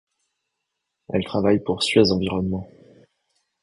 Elle travaille pour Suez Environnement.